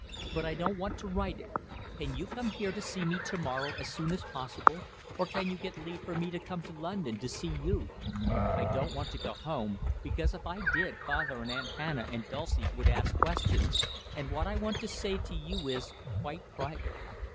But I don't want to write it. Can you come here to see me to morrow as soon as possible, or can you get leave for me to come to London to see you? I don't want to go home, because if I did father and Aunt Hannah and Dulcie would ask questions, and what I want to say to you is quite private.